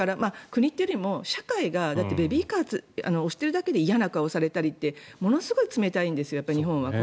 国というよりも社会がベビーカー押してるだけで嫌な顔をされたりってものすごい冷たいんですよ。